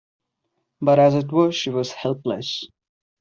But as it was she was helpless.